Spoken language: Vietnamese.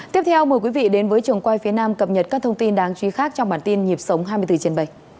tiếp theo mời quý vị đến với trường quay phía nam cập nhật các thông tin đáng chú ý khác trong bản tin nhịp sống hai mươi bốn trên bảy